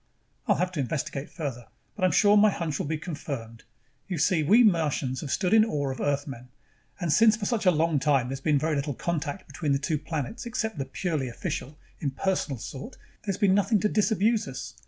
"I'll have to investigate further, but I'm sure my hunch will be confirmed. You see, we Martians have stood in awe of Earthmen. And since for a long time there's been very little contact between the two planets except the purely official, impersonal sort, there's been nothing to disabuse us.